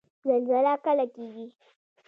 زلزله کله کیږي؟